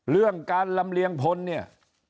เรื่องการลำเลียงพลเนี่ย